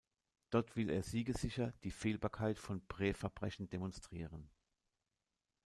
Dort will er siegessicher die Fehlbarkeit von Prä-Verbrechen demonstrieren.